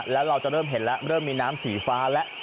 แล้วเราจะเริ่มเห็นแล้วเริ่มมีน้ำสีฟ้าแล้ว